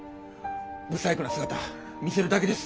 不細工な姿見せるだけです。